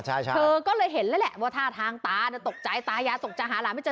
ใช่เธอก็เลยเห็นแล้วแหละว่าท่าทางตาน่ะตกใจตายายตกใจหาหลานไม่เจอ